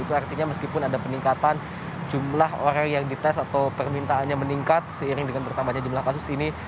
itu artinya meskipun ada peningkatan jumlah orang yang dites atau permintaannya meningkat seiring dengan bertambahnya jumlah kasus ini